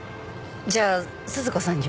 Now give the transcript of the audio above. じゃあ鈴子さんには？